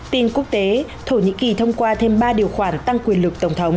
tin quốc tế thổ nhĩ kỳ thông qua thêm ba điều khoản tăng quyền lực tổng thống